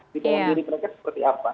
di dalam diri mereka seperti apa